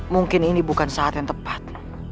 mungkin ini bukan saat yang tepat